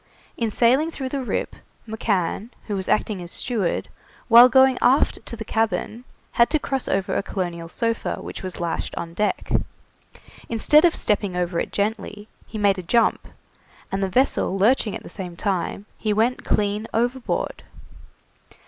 In sailing through the Rip, McCann, who was acting as steward, while going aft to the cabin, had to cross over a colonial sofa which was lashed on deck. Instead of stepping over it gently, he made a jump, and the vessel lurching at the same time, he went clean overboard.